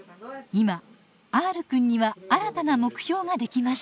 今Ｒくんには新たな目標ができました。